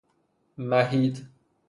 محید